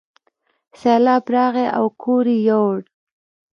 سیلاب راغی او کور یې یووړ.